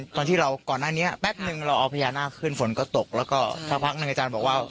ตอนที่เราก่อนหน้านี้แป๊บนึงเราเอาพญานาคขึ้นฝนก็ตกแล้วก็สักพักหนึ่งอาจารย์บอกว่า